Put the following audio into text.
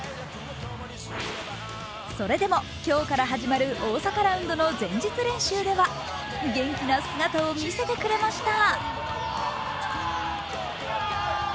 それでも今日から始まる大阪ラウンドの前日練習では元気な姿を見せてくれました。